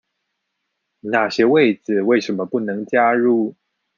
那些位子為什麼不能加入？